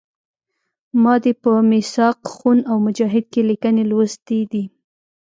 ما دې په میثاق خون او مجاهد کې لیکنې لوستي دي.